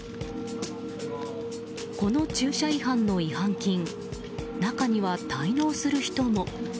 この駐車違反の違反金中には滞納する人も。